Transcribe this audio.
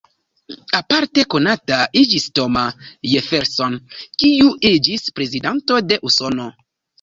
Aparte konata iĝis Thomas Jefferson, kiu iĝis prezidanto de Usono.